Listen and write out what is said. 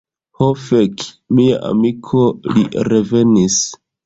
Ho fek. Mia amiko, li revenis.